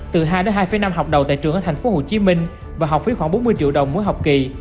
từ hai đến hai năm học đầu tại trường ở thành phố hồ chí minh và học phí khoảng bốn mươi triệu đồng mỗi học kỳ